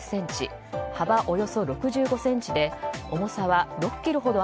およそ６５ｃｍで重さは６ｋｇほど